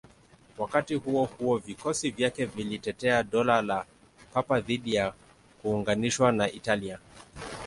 Wakati huo huo, vikosi vyake vilitetea Dola la Papa dhidi ya kuunganishwa na Italia.